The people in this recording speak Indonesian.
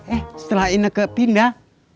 eh setelah ineke pindah